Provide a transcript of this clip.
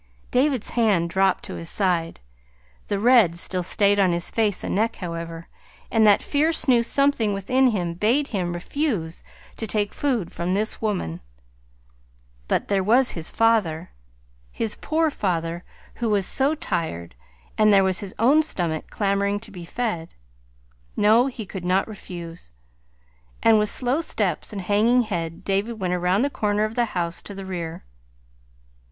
David's hand dropped to his side. The red still stayed on his face and neck, however, and that fierce new something within him bade him refuse to take food from this woman.... But there was his father his poor father, who was so tired; and there was his own stomach clamoring to be fed. No, he could not refuse. And with slow steps and hanging head David went around the corner of the house to the rear.